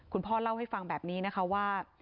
คุณพ่อเล่าให้ฟังแบบนี้นะคะว่า